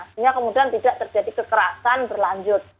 sehingga kemudian tidak terjadi kekerasan berlanjut